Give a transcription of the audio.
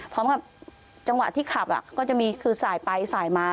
พร้อมกับจังหวะที่ขับก็จะมีคือสายไปสายมา